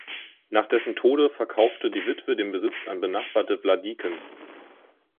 Nach dessen Tode verkaufte die Witwe den Besitz an benachbarte Vladiken.